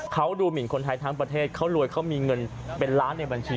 เขาดูหมินคนไทยทั้งประเทศเขารวยเขามีเงินเป็นล้านในบัญชี